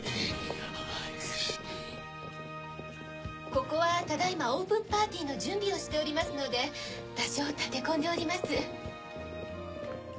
ここはただ今オープンパーティーの準備をしておりますので多少立て込んでおります。